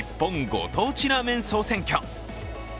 ご当地ラーメン総選挙。